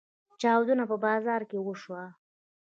چاودنه په بازار کې وشوه.